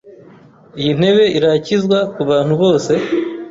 Iyi ntebe irakizwa kubantu bose?